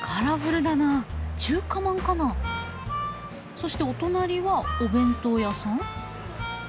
そしてお隣はお弁当屋さん？